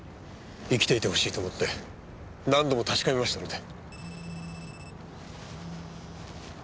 生きていてほしいと思って何度も確かめましたので。